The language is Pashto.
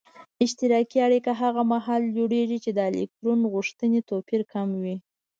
اشتراکي اړیکه هغه محال جوړیږي چې د الکترون غوښتنې توپیر کم وي.